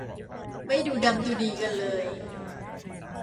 ไม่ดูดำดูดีกันเลย